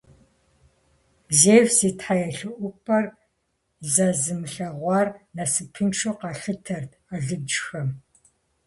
Зевс и тхьэелъэӀупӀэр зэ зымылъэгъуар насыпыншэу къалъытэрт алыджхэм.